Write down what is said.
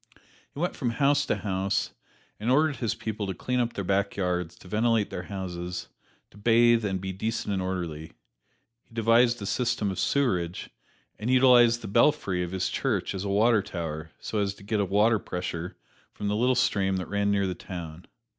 He went from house to house and ordered his people to clean up their back yards, to ventilate their houses, to bathe and be decent and orderly. He devised a system of sewerage, and utilized the belfry of his church as a water tower so as to get a water pressure from the little stream that ran near the town.